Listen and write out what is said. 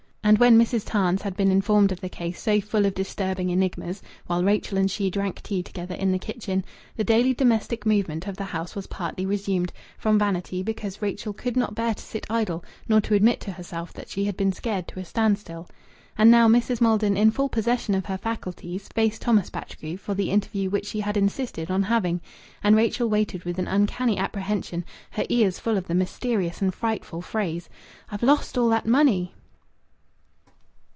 And when Mrs. Tams had been informed of the case so full of disturbing enigmas, while Rachel and she drank tea together in the kitchen, the daily domestic movement of the house was partly resumed, from vanity, because Rachel could not bear to sit idle nor to admit to herself that she had been scared to a standstill. And now Mrs. Maldon, in full possession of her faculties, faced Thomas Batchgrew for the interview which she had insisted on having. And Rachel waited with an uncanny apprehension, her ears full of the mysterious and frightful phrase, "I've lost all that money."